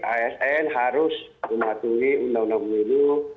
asn harus mematuhi undang undang pemilu